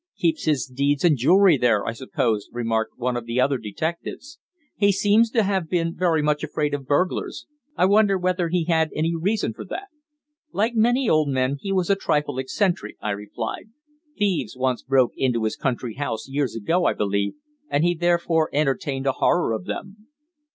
"Keeps his deeds and jewellery there, I suppose," remarked one of the other detectives. "He seems to have been very much afraid of burglars. I wonder whether he had any reason for that?" "Like many old men he was a trifle eccentric," I replied. "Thieves once broke into his country house years ago, I believe, and he therefore entertained a horror of them."